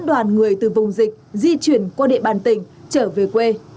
đoàn người từ vùng dịch di chuyển qua địa bàn tỉnh trở về quê